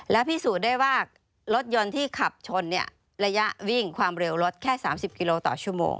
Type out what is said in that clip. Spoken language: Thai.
และพิสูจน์ได้ว่ารถยนต์ที่ขับชนระยะวิ่งความเร็วรถแค่๓๐กิโลต่อชั่วโมง